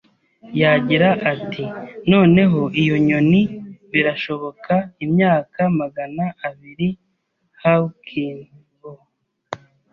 Yagira ati: “Noneho, iyo nyoni, birashoboka, imyaka magana abiri, Hawkins - bo